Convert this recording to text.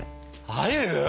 入る？